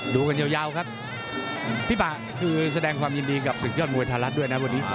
ดูกันยาวครับพี่ปะคือแสดงความยินดีกับศึกยอดมวยไทยรัฐด้วยนะวันนี้